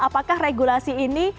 apakah regulasi ini